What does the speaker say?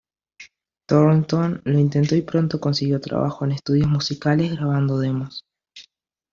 Thornton lo intentó y pronto consiguió trabajo en estudios musicales grabando demos.